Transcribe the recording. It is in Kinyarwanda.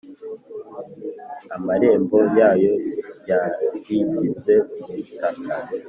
Amarembo yayo yarigise mu butaka,